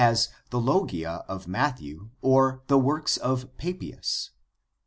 as the Logia of Matthew or the works of Papias.